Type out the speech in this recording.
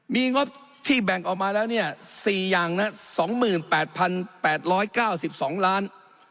มีงบที่แบ่งออกมาแล้วเนี่ย๔อย่างนะ๒๘๘๙๒ล้าน